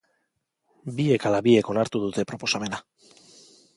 Biek ala biek onartu dute proposamena.